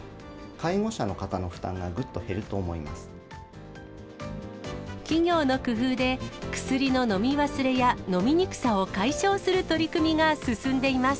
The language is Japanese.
介護者の方の負担がぐっと減ると企業の工夫で、薬の飲み忘れや飲みにくさを解消する取り組みが進んでいます。